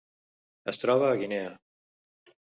Es troba a Guinea.